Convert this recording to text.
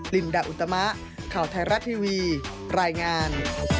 ลินดาอุตมะข่าวไทยรัฐทีวีรายงาน